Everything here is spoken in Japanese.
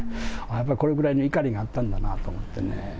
やっぱりこれぐらいの怒りがあったんだなと思ってね。